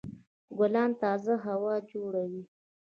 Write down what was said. ګلان تازه هوا جوړوي.